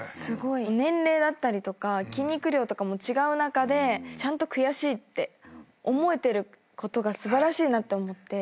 年齢だったりとか筋肉量とかも違う中でちゃんと悔しいって思えてることが素晴らしいなと思って。